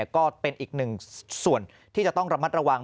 ก็เป็นอีกหนึ่งส่วนที่จะต้องระมัดระวัง